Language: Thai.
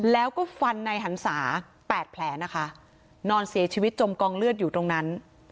แล้วก็ฟันในหันศาแปดแผลนะคะนอนเสียชีวิตจมกองเลือดอยู่ตรงนั้น